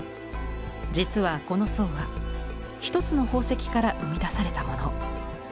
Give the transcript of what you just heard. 実はこの層は一つの宝石から生み出されたもの。